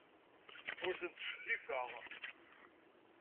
Ur ten-ttcellifeɣ.